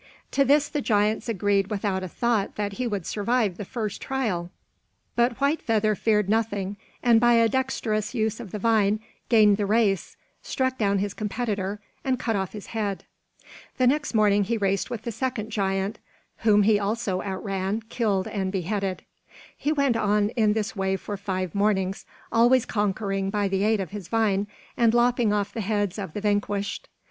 To this the giants agreed without a thought that he would survive the first trial. But White Feather feared nothing and, by a dexterous use of the vine, gained the race, struck down his competitor, and cut off his head. The next morning he raced with the second giant, whom he also outran, killed and beheaded. He went on in this way for five mornings, always conquering by the aid of his vine, and lopping off the heads of the vanquished.